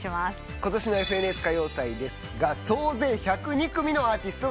ことしの『ＦＮＳ歌謡祭』ですが総勢１０２組のアーティストが出演します。